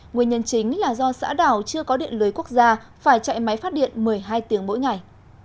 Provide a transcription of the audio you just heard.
nguyên nhân chính là do xã đảo chưa có điện lưới quốc gia phải chạy máy phát điện một mươi hai tiếng mỗi ngày